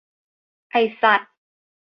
ไอ้สัส